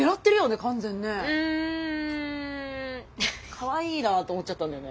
かわいいなと思っちゃったんだよね。